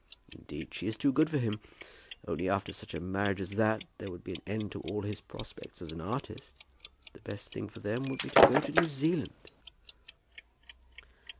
Indeed, she is too good for him; only after such a marriage as that, there would be an end to all his prospects as an artist. The best thing for them would be to go to New Zealand."